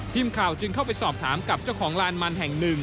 ทีมข่าวจึงเข้าไปสอบถามกับเจ้าของลานมันแห่งหนึ่ง